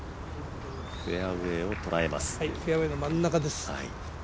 フェアウエーの真ん中です。